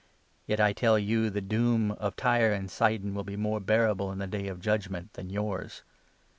Yet, I tell you, the doom of Tyre and Sidon will be more 22 bearable in the ' Day of Judgement ' than yours.